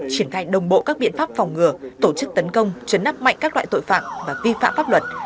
triển khai đồng bộ các biện pháp phòng ngừa tổ chức tấn công chấn áp mạnh các loại tội phạm và vi phạm pháp luật